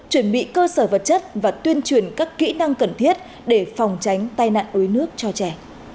chuẩn bị cơ sở vật chất và tuyên truyền các kỹ năng cần thiết để phòng tránh tai nạn đuối nước cho trẻ